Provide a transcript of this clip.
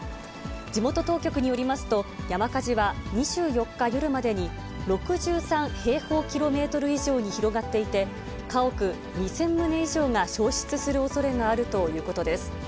地元当局によりますと、山火事は２４日夜までに、６３平方キロメートル以上に広がっていて、家屋２０００棟以上が消失するおそれがあるということです。